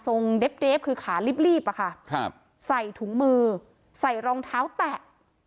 ทรงเด็บเด็บคือขาลีบอ่ะค่ะครับใส่ถุงมือใส่รองเท้าแตะ